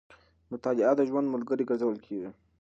مطالعه د ژوند ملګری ګرځول کېږي.